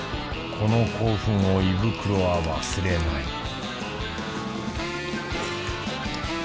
この興奮を胃袋は忘れない